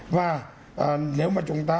và nếu mà chúng ta